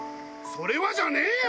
「それは」じゃねえよ！